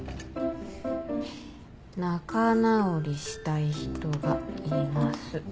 「仲直りしたい人がいます。